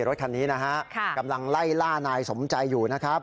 รถคันนี้นะฮะกำลังไล่ล่านายสมใจอยู่นะครับ